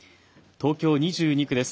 東京２２区です。